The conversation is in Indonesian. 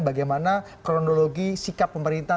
bagaimana kronologi sikap pemerintah